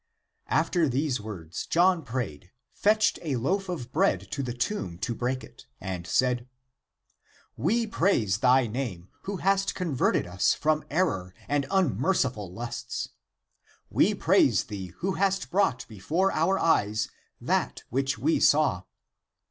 After these words John prayed, fetched a loaf of bread to the tomb to break it, and said, " We praise thy name, who hast converted us from error and unmerciful lusts. We praise thee who hast brought before our eyes that which we saw.